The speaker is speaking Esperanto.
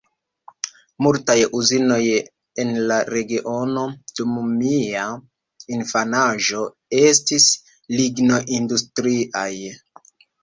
Multaj uzinoj en la regiono dum mia infanaĝo estis lignoindustriaj.